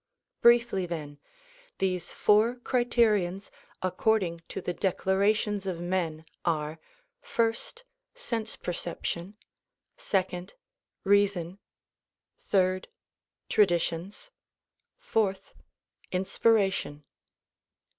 Briefly then, these four criterions according to the declarations of men are: First— Sense Perception; Second — Rea son; Third — Traditions; Fourth— Inspiration.